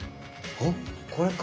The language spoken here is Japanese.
あっこれか？